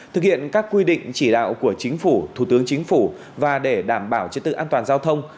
thực hiện các quy định chỉ đạo của chính phủ thủ tướng chính phủ và để đảm bảo chất tự an toàn giao thông